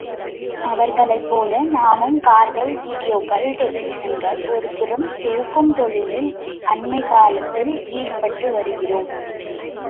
அவர்களைப் போல் நாமும் கார்கள், வீடியோக்கள் டெலிவிஷன்கள் ஒரு புறம் பெருக்கும் தொழிலில் அண்மைக்காலத்தில் ஈடுபட்டு வருகிறோம்.